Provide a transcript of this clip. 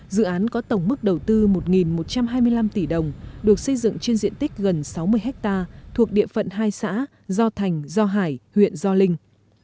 dự án có tổng mức đầu tư một một trăm hai mươi năm tỷ đồng được xây dựng trên diện tích gần sáu mươi ha thuộc địa phận hai xã do thành do hải huyện do linh